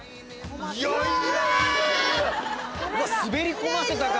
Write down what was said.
うわ滑り込ませたか！